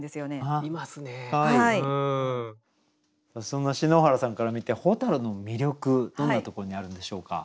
そんな篠原さんから見て蛍の魅力どんなところにあるんでしょうか？